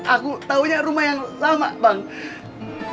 aku tahunya rumah yang lama bang